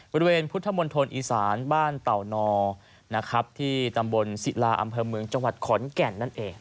บริเวณพุทธมณฑลอีสานบ้านเต่านอที่ตำบลศิลาอำเภอเมืองจังหวัดขอนแก่นนั่นเอง